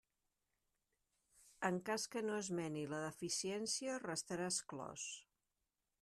En cas que no esmeni la deficiència, restarà exclòs.